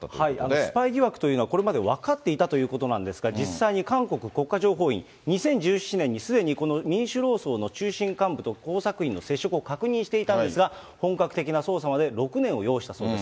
スパイ疑惑というのは、これまで分かっていたということなんですが、実際に韓国国家情報院、２０１７年にすでにこの民主労総の中心幹部と工作員の接触を確認していたんですが、本格的な捜査まで６年を要したそうです。